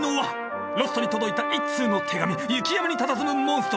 ロッソに届いた一通の手紙雪山にたたずむモンストロ。